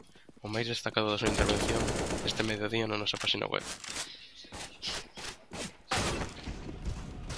O máis destacado da súa intervención, este mediodía na nosa páxina web.